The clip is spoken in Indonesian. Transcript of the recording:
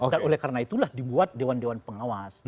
dan oleh karena itulah dibuat dewan dewan pengawas